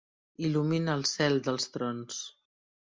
Il·lumina el cel dels trons.